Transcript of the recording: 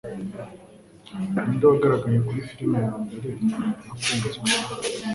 Ninde wagaragaye kuri filime ya mbere yakunzwe?